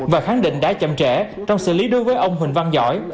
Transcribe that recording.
và khẳng định đã chậm trễ trong xử lý đối với ông huỳnh văn giỏi